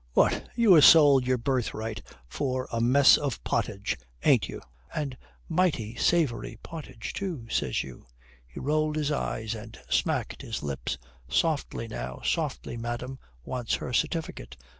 What, you ha' sold your birthright for a mess of pottage, ain't you? And mighty savoury pottage, too, says you." He rolled his eyes and smacked his lips. "Softly now, softly, madame wants her certificate.